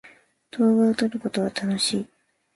動画を撮ることは楽しい。